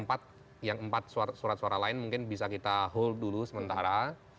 jadi yang empat surat surat lain mungkin bisa kita hold dulu sementara